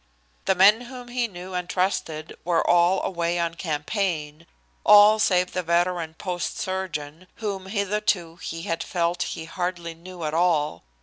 The men whom he knew and trusted were all away on campaign, all save the veteran post surgeon, whom hitherto he had felt he hardly knew at all.